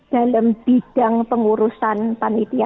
dalam bidang pengurusan panitia